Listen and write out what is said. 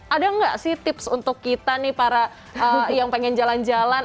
ada nggak sih tips untuk kita nih para yang pengen jalan jalan